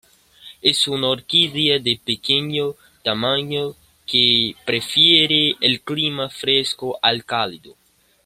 Es una orquídea de pequeño tamaño que prefiere el clima fresco al cálido.